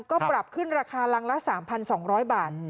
ก็ปรับขึ้นราคารังละ๓๒๐๐บาท